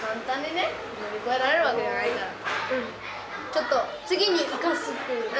ちょっと次に生かすっていうね。